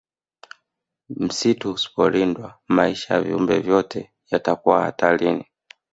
Msitu usipolindwa maisha ya viumbe vyote yatakuwa hatarini